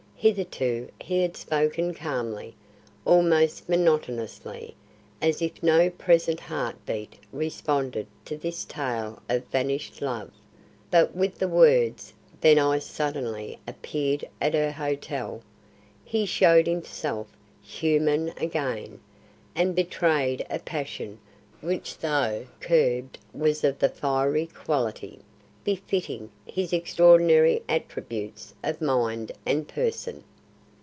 Hitherto he had spoken calmly, almost monotonously, as if no present heart beat responded to this tale of vanished love; but with the words, "Then I suddenly appeared at her hotel," he showed himself human again, and betrayed a passion which though curbed was of the fiery quality, befitting his extraordinary attributes of mind and person.